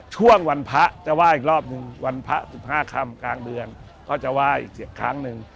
ช่วงวันพระจะไหว้อีกรอบหนึ่งวันพระ๑๕คำกลางเดือนก็จะไหว้อีกครั้งหนึ่ง